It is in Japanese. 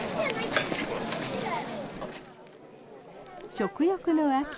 食欲の秋